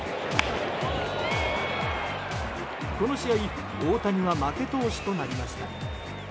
この試合大谷は負け投手となりました。